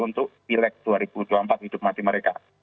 untuk pileg dua ribu dua puluh empat hidup mati mereka